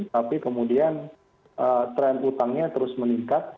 tapi kemudian tren utangnya terus meningkat